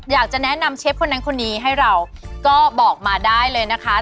อยากจะแนะนำเชฟคนนั้นคนนี้ให้เราก็บอกมาได้เลยนะคะ